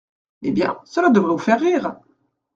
Eh bien, cela devrait vous faire rire !